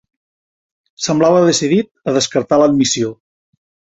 Semblava decidit a descartar l'admissió.